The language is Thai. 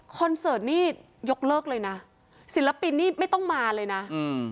เสิร์ตนี่ยกเลิกเลยนะศิลปินนี่ไม่ต้องมาเลยนะอืม